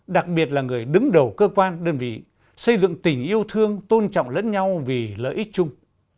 đặc biệt là người đứng đầu cơ quan đơn vị xây dựng tình yêu thương tôn trọng lẫn nhau vì lợi ích chung